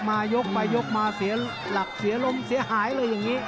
มายกไปยกมาเสียหลักเสียลมเสียหายเลยอย่างนี้